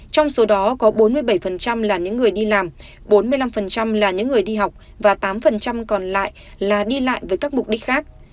trong số đó có bốn mươi bảy là những người đi làm bốn mươi năm là những người đi học và tám còn lại là đi lại với các mục đích khác